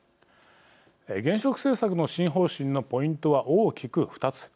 原子力政策の新方針のポイントは大きく２つ。